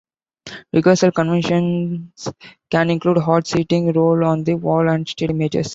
Rehearsal conventions can include hot seating, role on the wall and still images.